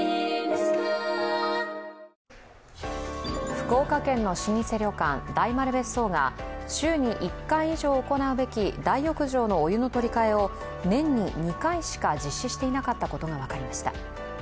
福岡県の老舗旅館・大丸別荘が週に１回以上行うべき大浴場のお湯の取り換えを年に２回しか実施していなかったことが分かりました。